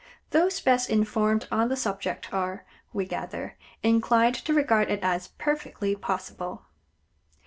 Those best informed on the subject are, we gather, inclined to regard it as perfectly possible.